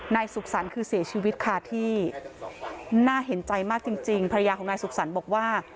นายสุขสรรค์คือเสียชีวิตค่ะที่น่าเห็นใจมากจริงภรรยาของนายสุขสรรค์บอกว่า